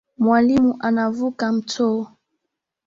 Mwalimu anavuka mto